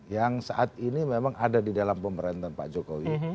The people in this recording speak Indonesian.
yang saat ini memang ada di dalam pemerintahan pak jokowi